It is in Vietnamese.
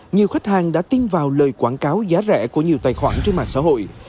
nhiều khách hàng đã tin vào lời quảng cáo giá rẻ của nhiều tài khoản trên mạng xã hội